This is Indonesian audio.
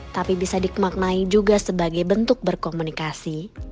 tapi bisa dimaknai juga sebagai bentuk berkomunikasi